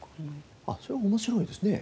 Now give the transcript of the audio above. それ面白いですね。